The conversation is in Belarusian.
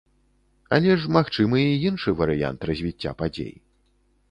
Але ж магчымы і іншы варыянт развіцця падзей.